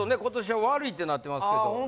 今年は悪いってなってますけど。